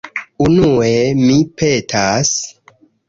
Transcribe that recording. Unue, mi petas...